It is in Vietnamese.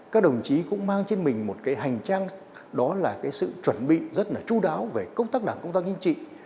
các đồng chí cũng mang trên mình một cái hành trang đó là cái sự chuẩn bị rất là chú đáo về công tác đảng công tác chính trị